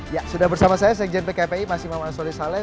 ya sudah bersama saya sejen pki pi mas imam ansuri saleh